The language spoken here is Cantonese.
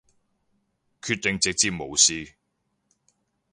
決定直接無視